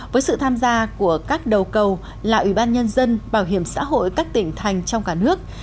với sự tham gia của các đầu cầu là ủy ban nhân dân bảo hiểm xã hội các tỉnh thành trong cả nước